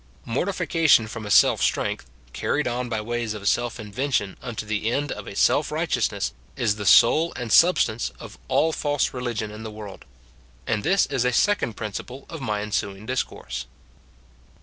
Mortification from a self strength, carried on by ways of self invention, unto the end of a self righteousness, is the soul and substance of all false religion in the world. And this is a second principle of my ensuing discourse.